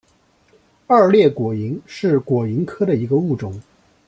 二裂果蝇是果蝇科的一个物种。